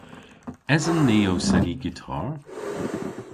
Esen ni ow seni gitar?